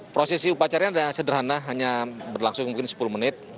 prosesi upacaranya sederhana hanya berlangsung mungkin sepuluh menit